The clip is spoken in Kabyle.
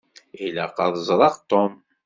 Ilaq ad d-ẓṛeɣ Tom.